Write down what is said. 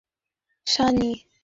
বাদ দে, সানী।